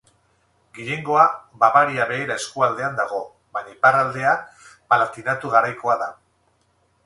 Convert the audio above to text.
Gehiengoa Bavaria Beherea eskualdean dago baina iparraldea Palatinatu Garaikoa da.